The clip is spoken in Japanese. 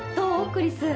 クリス。